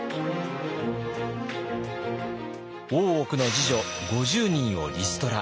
大奥の侍女５０人をリストラ。